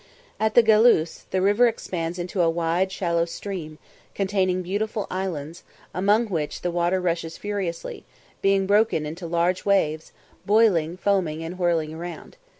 At the Galouse, the river expands into a wide shallow stream, containing beautiful islands, among which the water rushes furiously, being broken into large waves, boiling, foaming, and whirling round.